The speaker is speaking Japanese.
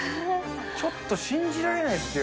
ちょっと信じられないっすよ。